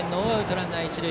ランナー、一塁。